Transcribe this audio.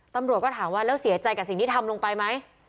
ตำรวจก็ถามว่าแล้วเสียใจกับสิ่งที่ทำลงไปไหม